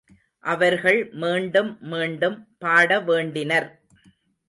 அவர்கள் மீண்டும் மீண்டும் பாடவேண்டினர்.